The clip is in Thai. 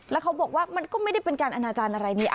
แล้วเขาบอกว่ามันก็ไม่ได้เป็นการอนาจารย์อะไรนี่